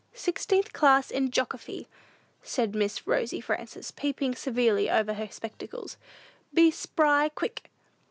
"Sixteenth class in joggerphy," said Miss Rosy Frances, peeping severely over her spectacles. "Be spry quick!"